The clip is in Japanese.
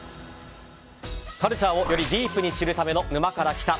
カルチャーをよりディープに知るための「沼から来た。」。